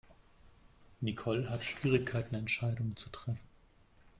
Nicole hat Schwierigkeiten Entscheidungen zu treffen.